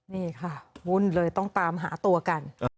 นี่ค่ะวุ่นเลยต้องตามหาตัวกัน